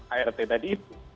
art tadi itu